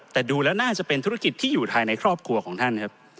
แต่ดูแล้วน่าจะเป็นธุรกิจที่อยู่ภายในครอบครัวของท่านครับ